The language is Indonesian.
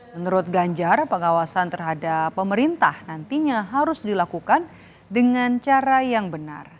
menurut ganjar pengawasan terhadap pemerintah nantinya harus dilakukan dengan cara yang benar